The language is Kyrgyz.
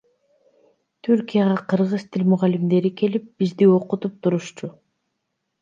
Түркияга кыргыз тил мугалимдери келип бизди окутуп турушчу.